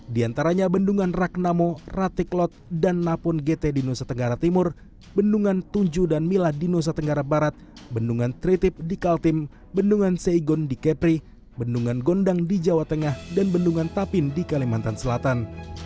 di antaranya bendungan ragnamo ratiklot dan napon gt di nusa tenggara timur bendungan tunju dan mila di nusa tenggara barat bendungan tritip di kaltim bendungan seigon di kepri bendungan gondang di jawa tengah dan bendungan tapin di kalimantan selatan